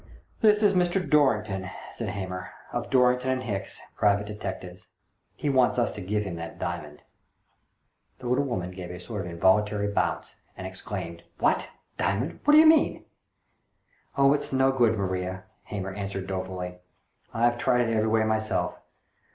" This is Mr. Dor rington," said Hamer, " of Dorrington & Hicks, private detectives. He wants us to give him that diamond." The little woman gave a sort of involuntary bounce, and exclaimed. "What? Diamond? What d'ye mean?" " Oh, it's no good, Maria," Hamer answered dolefully. " I've tried it every way myself.